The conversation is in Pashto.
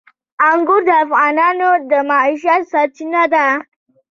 انګور د افغانانو د معیشت سرچینه ده.